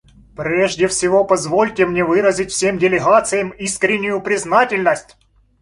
Прежде всего позвольте мне выразить всем делегациям искреннюю признательность.